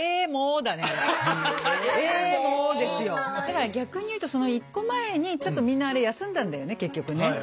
だから逆に言うとその一個前にちょっとみんなあれ休んだんだよね結局ね。